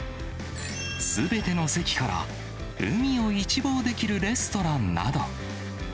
すべての席から海を一望できるレストランなど。